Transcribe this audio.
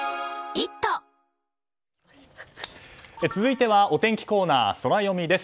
続いては、お天気コーナーソラよみです。